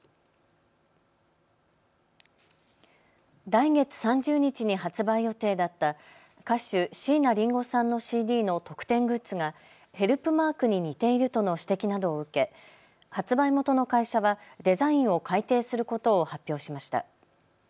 来月３０日に発売予定だった歌手、椎名林檎さんのＣＤの特典グッズがヘルプマークに似ているとの指摘などを受け発売元の会社はデザインを改訂することを発表しました。